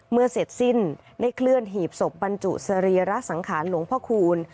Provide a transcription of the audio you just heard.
เมื่อเสร็จสิ้นได้เคลื่อนหีบศพบรรจุสรีระสังขารหลวงพ่อคูณ